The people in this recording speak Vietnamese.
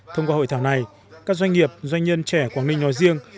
thông qua hội thảo này các doanh nghiệp doanh nhân trẻ quảng ninh nói riêng